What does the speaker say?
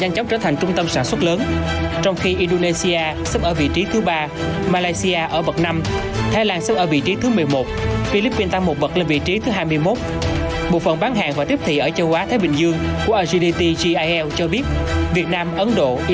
hãy đồng hành cùng quý vị trong chương trình ngày hôm nay